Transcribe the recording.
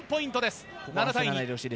７対２。